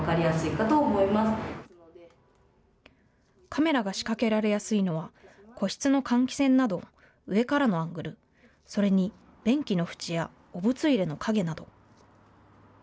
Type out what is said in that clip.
カメラが仕掛けられやすいのは個室の換気扇などの上からのアングル、それに便器の縁や汚物入れの陰など。